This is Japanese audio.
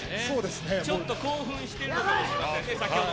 ちょっと興奮しているのかもしれません。